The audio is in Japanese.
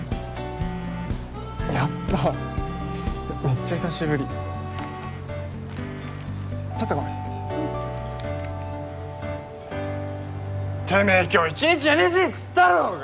やっためっちゃ久しぶりちょっとごめんうんてめえ今日一日ＮＧっつったろうが！